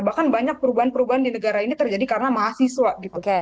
bahkan banyak perubahan perubahan di negara ini terjadi karena mahasiswa gitu